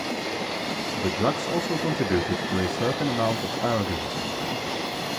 The drugs also contributed to a certain amount of arrogance.